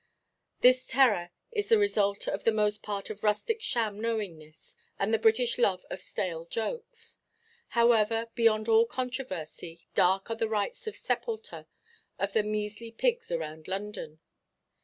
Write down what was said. This terror is the result for the most part of rustic sham knowingness, and the British love of stale jokes. However, beyond all controversy, dark are the rites of sepulture of the measly pigs around London.